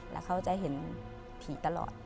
แล้วเขาจะเห็นผีตลอด